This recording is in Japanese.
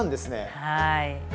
はい。